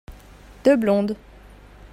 deux blondes.